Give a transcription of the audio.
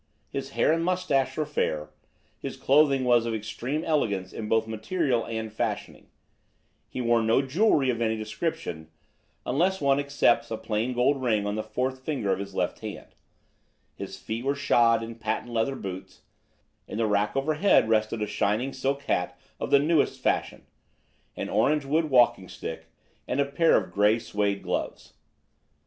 His hair and moustache were fair, his clothing was of extreme elegance in both material and fashioning, he wore no jewellery of any description, unless one excepts a plain gold ring on the fourth finger of the left hand, his feet were shod in patent leather boots, in the rack overhead rested a shining silk hat of the newest fashion, an orange wood walking stick, and a pair of gray suede gloves.